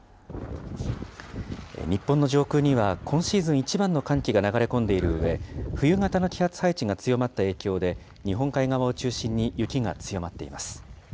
日本の上空には、今シーズン一番の寒気が流れ込んでいるうえ、冬型の気圧配置が強まった影響で、日本海側を中心に雪が強まっています。